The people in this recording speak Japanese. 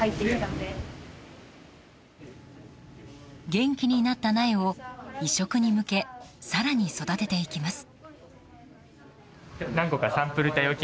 元気になった苗を、移植に向け更に育てていきます。